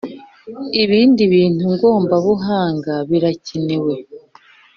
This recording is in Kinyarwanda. ibindi bintu ngombabuhanga birakenewe